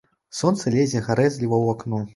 Сонца лезе гарэзліва ў акно.